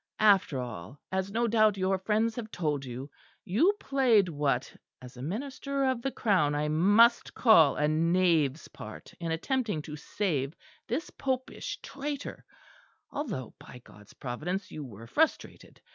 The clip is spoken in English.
After all, as no doubt your friends have told you, you played what, as a minister of the Crown, I must call a knave's part in attempting to save this popish traitor, although by God's Providence, you were frustrated.